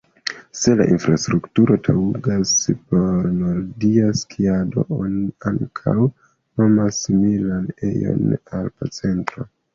Se la infrastrukturo taŭgas por nordia skiado oni ankaŭ nomas similan ejon "alpa centro".